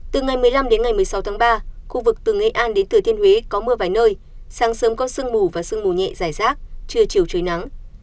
từ ngày một mươi năm đến ngày một mươi sáu tháng ba khu vực từ nghệ an đến thừa thiên huế có mưa vài nơi sáng sớm có sương mù và sương mù nhẹ dài rác trưa chiều trời nắng